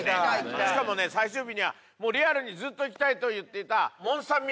しかもね最終日にはもうリアルにずっと「行きたい」と言っていた。